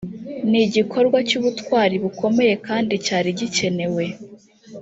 ni igikorwa cy’ubutwari bukomeye kandi cyari gikenewe